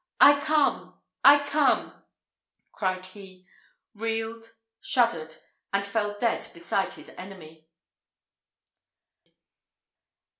"I come! I come!" cried he reeled shuddered and fell dead beside his enemy.